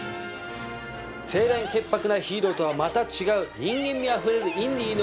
清廉潔白なヒーローとはまた違う人間味あふれるインディの魅力